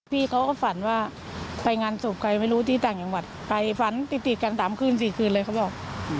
พี่เขาก็ฝันว่าไปงานศพใครไม่รู้ที่ต่างจังหวัดไปฝันติดติดกัน๓คืน๔คืนเลยเขาบอก